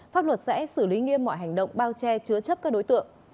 pháp luật sẽ xử lý nghiêm mọi hành động bao che chứa chấp các đối tượng